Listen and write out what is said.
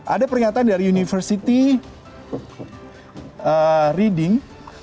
ada pernyataan dari university reading